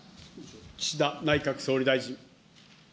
岸田内閣総理大臣。